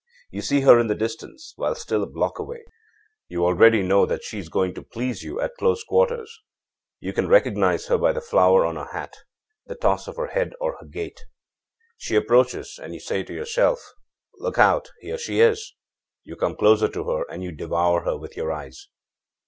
You see her in the distance, while still a block away; you already know that she is going to please you at closer quarters. You can recognize her by the flower on her hat, the toss of her head, or her gait. She approaches, and you say to yourself: 'Look out, here she is!' You come closer to her and you devour her with your eyes.